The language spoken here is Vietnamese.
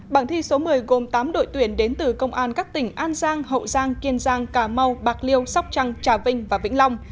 bảng thi số một mươi gồm tám đội tuyển đến từ công an các tỉnh an giang hậu giang kiên giang cà mau bạc liêu sóc trăng trà vinh và vĩnh long